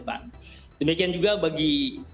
dan ditemukan demikian juga bagi